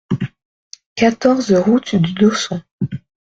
quatorze route du Dossen